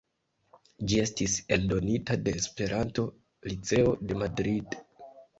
Ĝi estis eldonita de Esperanto-Liceo de Madrid.